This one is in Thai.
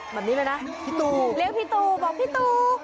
แบบนี้เลยนะพี่ตูเลี้ยงพี่ตูบอกพี่ตู